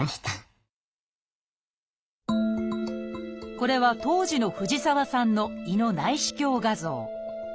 これは当時の藤沢さんの胃の内視鏡画像。